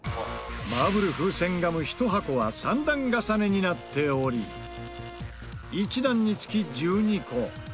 マーブルフーセンガム１箱は３段重ねになっており１段につき１２個。